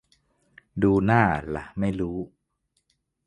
ดูหน้าละไม่รู้